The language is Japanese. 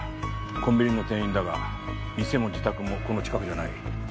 コンビニの店員だが店も自宅もこの近くじゃない。